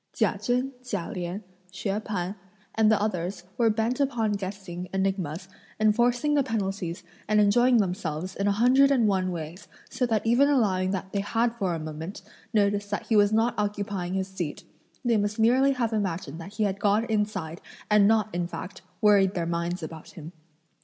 Chia Chen, Chia Lien, Hsúeh P'an and the others were bent upon guessing enigmas, enforcing the penalties and enjoying themselves in a hundred and one ways, so that even allowing that they had for a moment noticed that he was not occupying his seat, they must merely have imagined that he had gone inside and not, in fact, worried their minds about him.